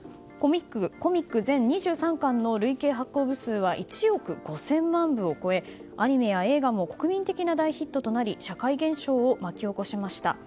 コミック全２３巻の累計発行部数は１億５０００万部を超えアニメや映画も国民的な大ヒットとなり社会現象を巻き起こしました。